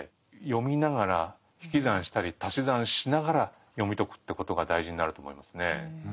読みながら引き算したり足し算しながら読み解くってことが大事になると思いますね。